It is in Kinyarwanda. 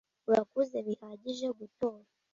urakuze bihagije gutora